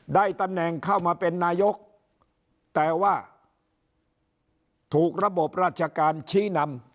ได้ตำแหน่งเข้ามาเป็นนายกแต่ว่าถูกระบบราชการชี้นำ